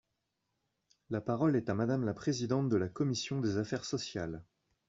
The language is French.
La parole est à Madame la présidente de la commission des affaires sociales.